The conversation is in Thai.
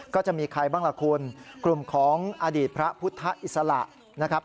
ก็จะมีใครบ้างล่ะคุณกลุ่มของอดีตพระพุทธอิสระนะครับ